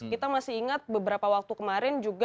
kita masih ingat beberapa waktu kemarin juga